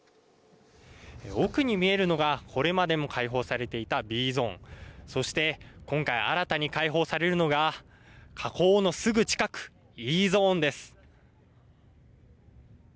奥に見えるのがこれまでも開放されていたＢゾーンそして今回新たに開放されるのが火口のすぐ近くＥゾーンです。